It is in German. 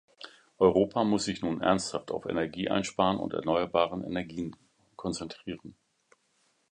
Europa muss sich nun ernsthaft auf Energieeinsparen und erneuerbare Energien konzentrieren.